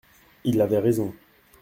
Il avait raison.